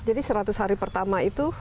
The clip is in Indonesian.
jadi seratus hari pertama itu